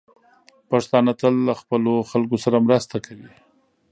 پښتانه تل له خپلو خلکو سره مرسته کوي.